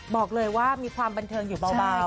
บอกเลยว่ามีความบันเทิงอยู่เบา